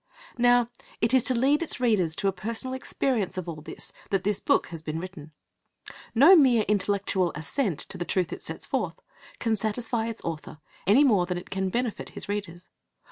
Now it is to lead its readers to a personal experience of all this that this book has been written. No mere intellectual assent to the truth it sets forth can satisfy its author, any more than it can benefit his readers.